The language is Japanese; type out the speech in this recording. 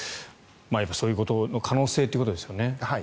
やっぱりそういうことの可能性ということですよね。